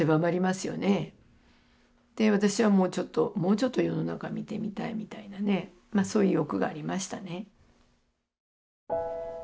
私はもうちょっと世の中見てみたいみたいなねそういう欲がありましたね。